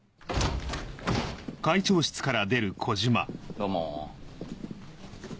どうも。